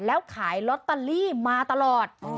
แล้วขายลอตเตอรี่มาตลอด